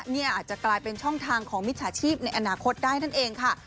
นี่อาจจะกลายเป็นช่องทางของมิจฉาชีพในอนาคตได้นั่นเองค่ะ